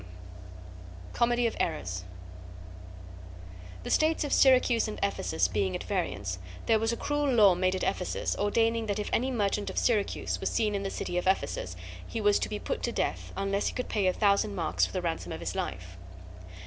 THE COMEDY OF ERRORS The states of Syracuse and Ephesus being at variance, there was a cruel law made at Ephesus, ordaining that if any merchant of Syracuse was seen in the city of Ephesus he was to be put to death, unless he could pay a thousand marks for the ransom of his life.